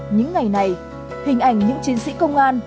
những ngày này hình ảnh những chiến sĩ công an